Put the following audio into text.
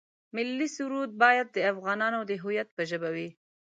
ملي سرود باید د افغانانو د هویت په ژبه وي.